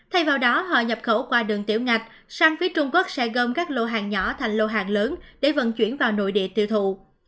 thay vào đó họ nhập khẩu qua đường tiểu ngạch sang phía trung quốc sẽ gom các lô hàng nhỏ thành lô hàng lớn để vận chuyển vào nội địa tiêu thụ